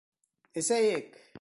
Эсәйек!